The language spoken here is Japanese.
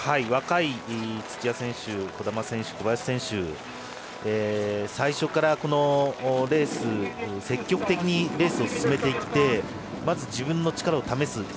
若い土屋選手児玉選手、小林選手、最初から積極的にレースを進めていってまず自分の力を試す。